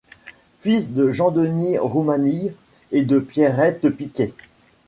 Fils de Jean-Denis Roumanille et de Pierrette Piquet.